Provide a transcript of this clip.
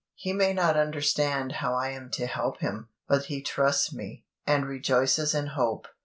He may not understand how I am to help him, but he trusts me, and rejoices in hope.